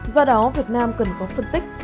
do đó việt nam cần có phân tích